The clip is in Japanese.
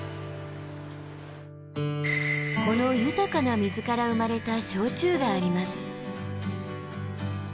この豊かな水から生まれた焼酎があります。